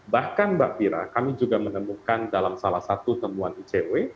bahkan mbak fira kami juga menemukan dalam salah satu temuan icw